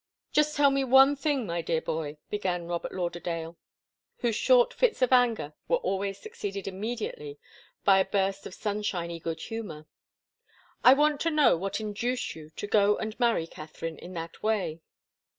"Just tell me one thing, my dear boy," began Robert Lauderdale, whose short fits of anger were always succeeded immediately by a burst of sunshiny good humour. "I want to know what induced you to go and marry Katharine in that way?"